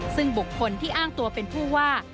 ซึ่งบุคคลที่อ้างตัวเป็นผู้ว่า